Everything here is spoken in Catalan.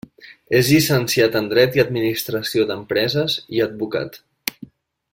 És llicenciat en Dret i Administració d'Empreses, i advocat.